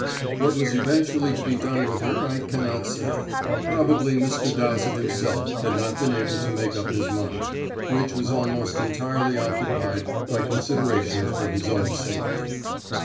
What was eventually to be done with her I cannot say; probably Mr. Dowsett himself had not been able to make up his mind, which was almost entirely occupied by considerations for his own safety.